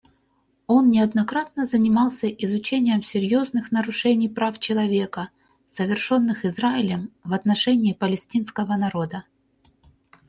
Он неоднократно занимался изучением серьезных нарушений прав человека, совершенных Израилем в отношении палестинского народа.